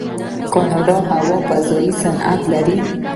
کاناډا د هوا فضا صنعت لري.